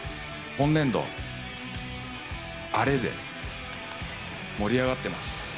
本年度はアレで盛り上がってます。